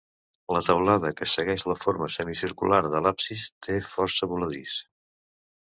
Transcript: La teulada, que segueix la forma semicircular de l'absis, té força voladís.